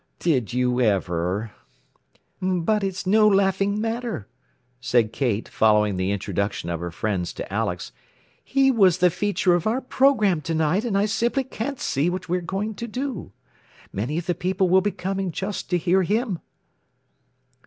Did you ever!" "But it's no laughing matter," said Kate, following the introduction of her friends to Alex. "He was the feature of our program to night, and I simply can't see what we are going to do. Many of the people will be coming just to hear him."